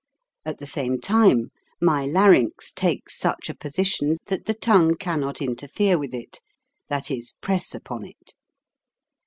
At the same time my larynx takes such a position that the tongue cannot interfere with it, that is, press upon it.